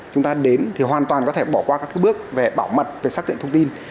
chúng ta đến thì hoàn toàn có thể bỏ qua các bước về bảo mật về xác định thông tin